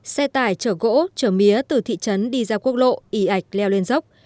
xe tải chở gỗ chở mía từ thị trấn đi ra quốc lộ ý ạch leo lên dốc